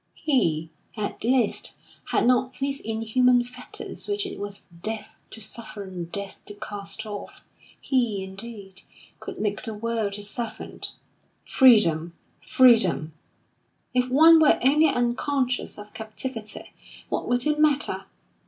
He, at least, had not these inhuman fetters which it was death to suffer and death to cast off; he, indeed, could make the world his servant. Freedom, freedom! If one were only unconscious of captivity, what would it matter?